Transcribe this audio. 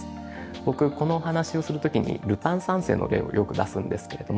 僕このお話をする時に「ルパン三世」の例をよく出すんですけれども。